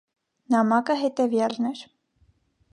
Նամակը հետևյալն էր.